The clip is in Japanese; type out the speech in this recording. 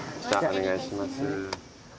お願いします。